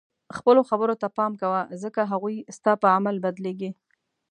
خپلو خبرو ته پام کوه ځکه هغوی ستا په عمل بدلیږي.